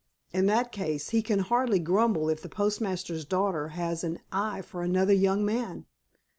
"In that case, he can hardly grumble if the postmaster's daughter has an eye for another young man."